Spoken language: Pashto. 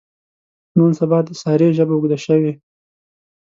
نن سبا د سارې ژبه اوږده شوې.